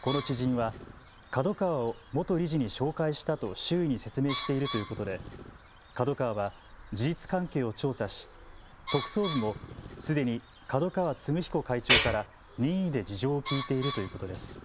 この知人はＫＡＤＯＫＡＷＡを元理事に紹介したと周囲に説明しているということでＫＡＤＯＫＡＷＡは事実関係を調査し特捜部もすでに角川歴彦会長から任意で事情を聴いているということです。